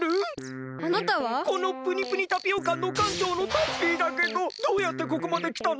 このぷにぷにタピオ館の館長のタッピーだけどどうやってここまできたの？